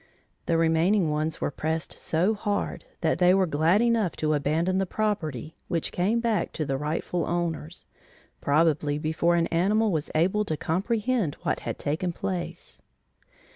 The remaining ones were pressed so hard that they were glad enough to abandon the property which came back to the rightful owners, probably before an animal was able to comprehend what had taken place.